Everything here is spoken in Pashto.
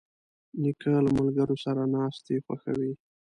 نیکه له ملګرو سره ناستې خوښوي.